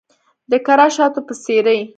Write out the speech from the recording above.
د کره شاتو په څیرې